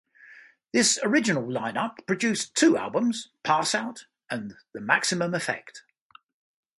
This original line-up produced two albums, "Passout" and "The Maximum Effect".